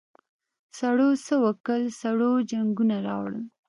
سړو څه وکل سړو جنګونه راوړل.